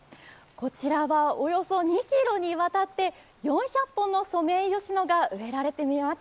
こちらはおよそ２ｋｍにわたって４００本のソメイヨシノが植えられてみえます。